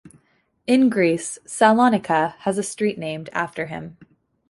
In Greece, Salonika has a street named after him.